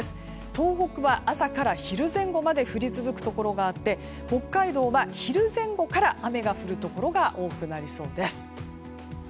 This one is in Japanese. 東北は朝から昼前後まで降り続くところがあって北海道はお昼前後から雨が降るところが多くなりそうです。